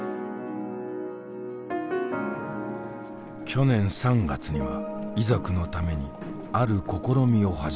去年３月には遺族のためにある試みを始めた。